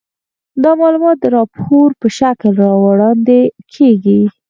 دا معلومات د راپور په شکل وړاندې کیږي.